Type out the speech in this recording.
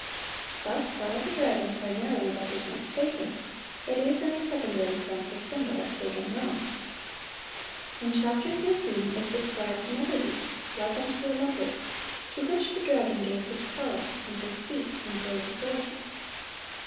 Thus while the dragon, primarily, represents Satan, it is, in a secondary sense, a symbol of pagan Rome. In chapter 13(736) is described another beast, "like unto a leopard," to which the dragon gave "his power, and his seat, and great authority."